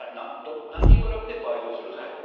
何に比べて倍増するんだと。